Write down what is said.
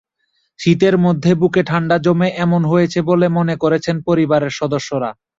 শীতের মধ্যে বুকে ঠান্ডা জমে এমন হয়েছে বলে মনে করছেন পরিবারের সদস্যরা।